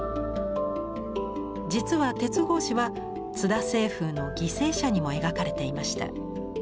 実は鉄格子は津田青楓の「犠牲者」にも描かれていました。